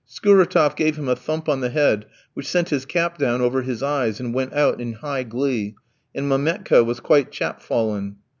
Skouratof gave him a thump on the head, which sent his cap down over his eyes, and went out in high glee, and Mametka was quite chapfallen.